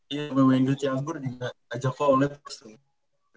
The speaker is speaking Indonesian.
iya sama wendy cagur dia ajak ke oled terus tuh